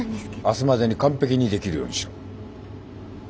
明日までに完璧にできるようにしろ。